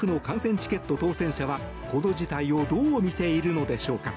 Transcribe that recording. チケット当選者はこの事態をどう見ているのでしょうか。